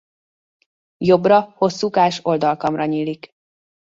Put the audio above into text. Jobbra hosszúkás oldalkamra nyílik.